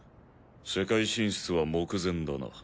世界進出は目前だな。